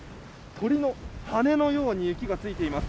鳥の羽のように雪がついています。